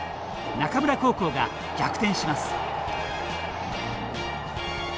中村高校が逆転します。